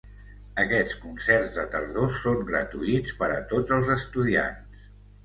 Aquests concerts de tardor són gratuïts per a tots els estudiants.